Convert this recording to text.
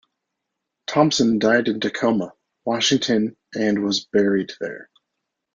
Thompson died in Tacoma, Washington and was buried there.